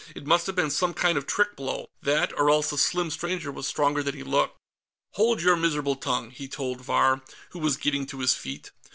It must have been some kind of trick blow. That or else the slim stranger was stronger than he looked. "Hold your miserable tongue!" he told Vahr, who was getting to his feet.